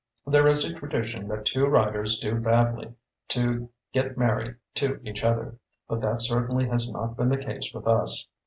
There is a tradi tion that two writers do badly to get married to each other, but that cer tainly has not been the case with us.